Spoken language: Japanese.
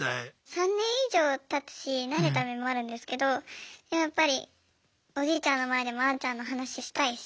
３年以上たつし慣れた面もあるんですけどやっぱりおじいちゃんの前でもあーちゃんの話したいし。